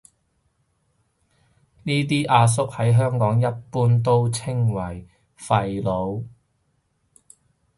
呢啲阿叔喺香港一般稱為廢老